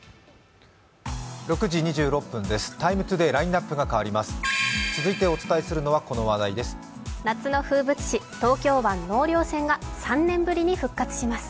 ６時２６分です、「ＴＩＭＥ，ＴＯＤＡＹ」ラインナップが変わります。